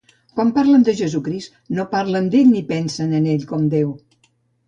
Quan parlen de Jesucrist, no parlen d'ell ni pensen en ell com Déu.